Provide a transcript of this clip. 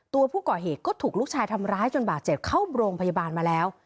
ตัวผู้ก่อเหตุก็ถูกลูกชายทำร้ายจนบาดเจ็บเข้าโรงพยาบาลมาแล้ว